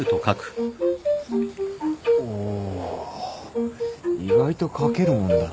おお意外と書けるもんだな。